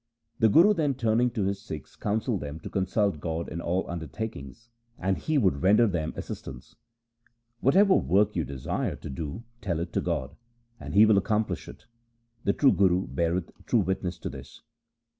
1 The Guru then turning to his Sikhs counselled them to consult God in all undertakings, and He would render them assistance. Whatever work you desire to do tell it to God, And He will accomplish it ; the true Guru beareth true witness to this.